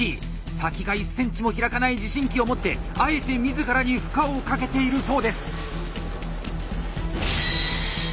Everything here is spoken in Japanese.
先が１センチも開かない持針器を持ってあえて自らに負荷をかけているそうです。